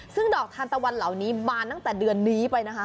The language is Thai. ซึ่งดอกทานตะวันเหล่านี้บานตั้งแต่เดือนนี้ไปนะคะ